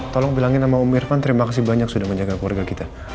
tolong bilangin sama om irfan terima kasih banyak sudah menjaga keluarga kita